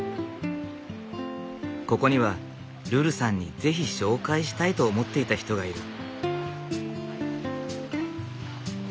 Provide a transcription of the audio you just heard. ここにはルルさんに是非紹介したいと思っていた人がいる。